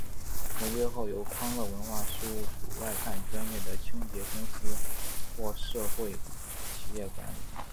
回归后由康乐文化事务署外判专业的清洁公司或社会企业管理。